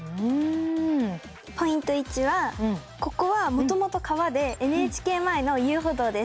ポイント１はここはもともと川でＮＨＫ前の遊歩道です。